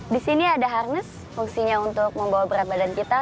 di sini ada harness fungsinya untuk membawa berat badan kita